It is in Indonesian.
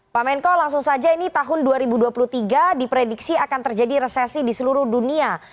pak menko langsung saja ini tahun dua ribu dua puluh tiga diprediksi akan terjadi resesi di seluruh dunia